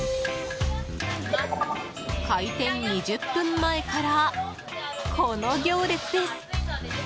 開店２０分前からこの行列です。